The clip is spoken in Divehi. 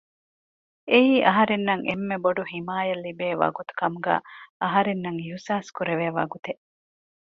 އެއީ އަހަރެންނަށް އެންމެ ބޮޑު ޙިމާޔަތް ލިބޭ ވަގުތު ކަމުގައި އަހަރެންނަށް އިޙްސާސް ކުރެވޭ ވަގުތެއް